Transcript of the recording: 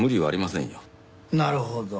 なるほど。